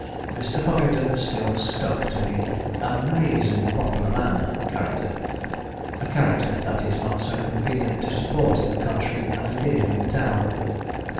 Mr. Puffington still stuck to the 'am_aa_zin' pop'lar man' character; a character that is not so convenient to support in the country as it is in town.